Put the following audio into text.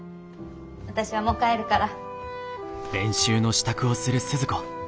私はもう帰るから。